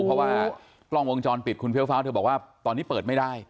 เพราะว่ากล้องวงจรปิดคุณเฟี้ยฟ้าเธอบอกว่าตอนนี้เปิดไม่ได้